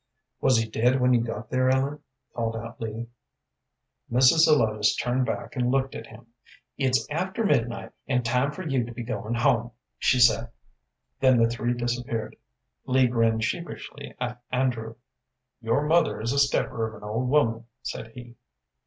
"Was he dead when you got there, Ellen?" called out Lee. Mrs. Zelotes turned back and looked at him. "It's after midnight, and time for you to be goin' home," she said. Then the three disappeared. Lee grinned sheepishly at Andrew. "Your mother is a stepper of an old woman," said he.